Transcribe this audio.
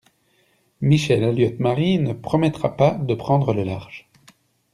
Michèle Alliot-Marie ne promettra pas de prendre le large!